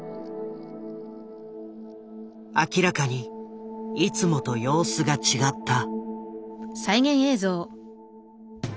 明らかにいつもと様子が違った。